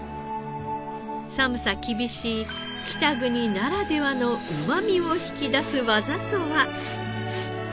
寒さ厳しい北国ならではのうまみを引き出す技とは？